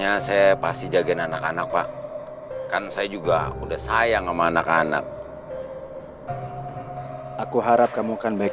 abi gak bisa jalan selamanya ya ma